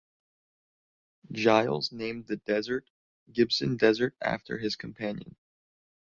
Giles named the desert Gibson Desert after his companion.